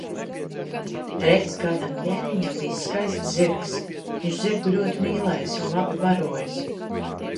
Reiz kādam ķēniņam bijis skaists zirgs, viņš zirgu ļoti mīlējis un labi barojis.